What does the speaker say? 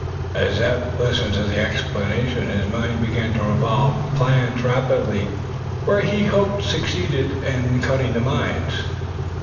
As Eph listened to the explanation his mind began to revolve plans rapidly whereby he hoped to succeed in cutting the mine wires.